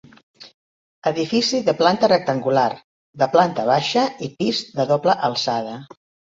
Edifici de planta rectangular, de planta baixa i pis de doble alçada.